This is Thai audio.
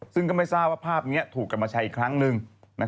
ซึ่งก็ไม่ทราบว่าภาพนี้ถูกกลับมาใช้อีกครั้งหนึ่ง